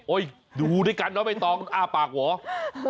ดูด้วยกันเนาะไม่ต้องอ้าปากเหรอ